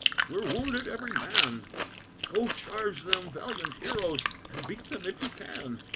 we're wounded every man; Go charge them, valiant heroes, and beat them if you can."